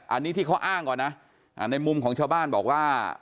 อันนี้ที่เขาอ้างก่อนนะในมุมของชาวบ้านบอกว่า